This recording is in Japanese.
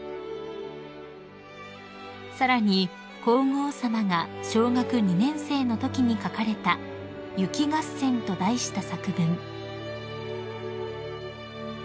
［さらに皇后さまが小学２年生のときに書かれた『雪がっせん』と題した作文］